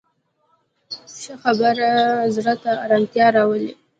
ښه خبره زړه ته ارامتیا راولي